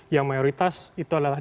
yang mayoritas itu adalah